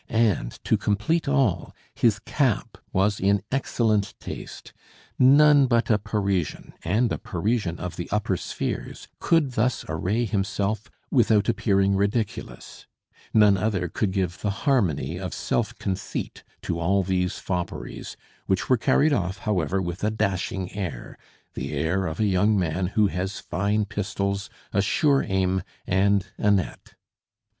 And to complete all, his cap was in excellent taste. None but a Parisian, and a Parisian of the upper spheres, could thus array himself without appearing ridiculous; none other could give the harmony of self conceit to all these fopperies, which were carried off, however, with a dashing air, the air of a young man who has fine pistols, a sure aim, and Annette.